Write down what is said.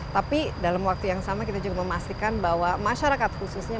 tapi dalam waktu yang sama kita juga memastikan bahwa masyarakat khususnya